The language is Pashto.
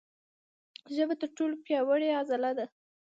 ژبه تر ټولو پیاوړې عضله ده.